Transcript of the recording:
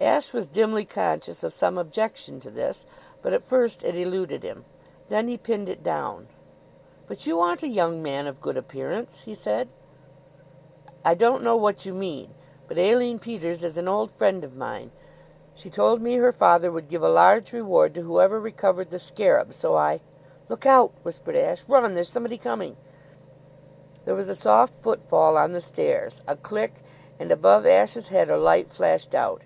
Ashe was dimly conscious of some objection to this, but at first it eluded him. Then he pinned it down. "But you aren't a young man of good appearance," he said. "I don't know what you mean. But Aline Peters is an old friend of mine. She told me her father would give a large reward to whoever recovered the scarab; so I " "Look out!" whispered Ashe. "Run! There's somebody coming!" There was a soft footfall on the stairs, a click, and above Ashe's head a light flashed out.